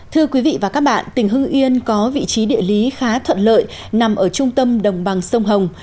thưa quý vị và các bạn tỉnh hưng yên có vị trí địa lý khá thuận lợi nằm ở trung tâm đồng bằng sông hồng